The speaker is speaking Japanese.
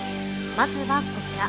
まずはこちら。